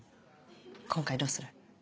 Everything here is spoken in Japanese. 今回どうする？